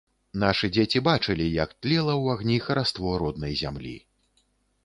Нашы дзеці бачылі, як тлела ў агні хараство роднай зямлі.